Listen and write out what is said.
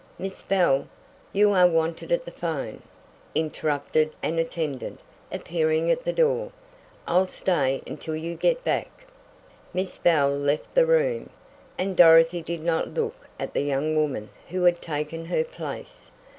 "Miss Bell, you are wanted at the 'phone," interrupted an attendant, appearing at the door. "I'll stay until you get back." Miss Bell left the room, and Dorothy did not look at the young woman who had taken her place.